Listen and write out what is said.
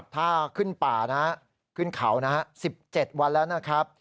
ถ้าขึ้นป่านะขึ้นเขานะฮะ๑๗วันแล้วนะครับ